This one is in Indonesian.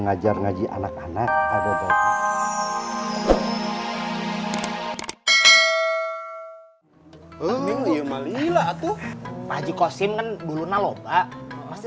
ngajar ngaji anak anak ada bawaan hai minggu mali lah tuh maji kosin kan bulu naloba masih